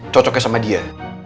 cocoknya sama dia